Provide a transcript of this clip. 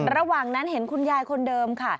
ระหว่างนั้นเห็นคุณยายคนเดิมค่ะ